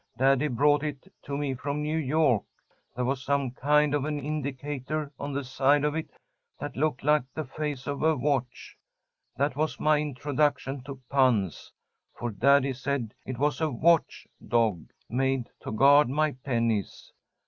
Daddy brought it to me from New York. There was some kind of an indicator on the side of it that looked like the face of a watch. That was my introduction to puns, for Daddy said it was a watch dog, made to guard my pennies.